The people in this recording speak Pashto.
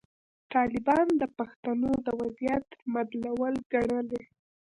طالبان د پښتنو د وضعیت مدلول ګڼلي.